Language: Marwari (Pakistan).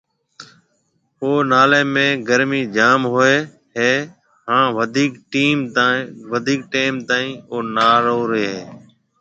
اُوناݪيَ ۾ گرمِي جام ھوئيَ ھيََََ ھان وڌيڪ ٽيم تائين اوناݪو رَي ھيََََ